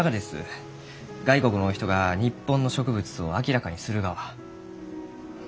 外国のお人が日本の植物を明らかにするがは。